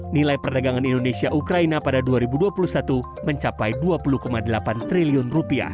nilai perdagangan indonesia ukraina pada dua ribu dua puluh satu mencapai rp dua puluh delapan triliun